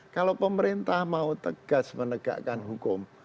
kalau pemerintah mau tegas menegakkan hukum